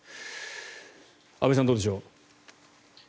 安部さんどうでしょう。